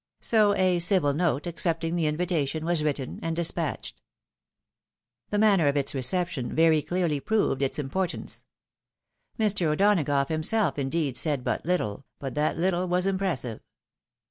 So a civil note, accepting the invitation, was written and despatched. The manner of its reception very clearly proved its im portance. Mr. O'Donagough himself indeed said but Httle, but that little was impressive.